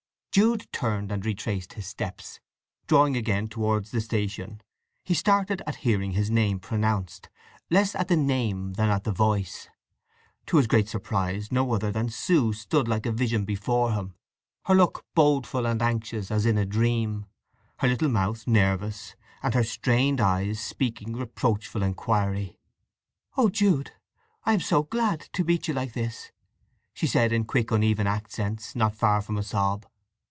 Jude turned and retraced his steps. Drawing again towards the station he started at hearing his name pronounced—less at the name than at the voice. To his great surprise no other than Sue stood like a vision before him—her look bodeful and anxious as in a dream, her little mouth nervous, and her strained eyes speaking reproachful inquiry. "Oh, Jude—I am so glad—to meet you like this!" she said in quick, uneven accents not far from a sob.